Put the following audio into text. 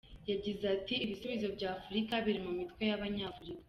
Yagize ati : “Ibisubizo by’Afurika biri mu mitwe y’Abanyafurika”.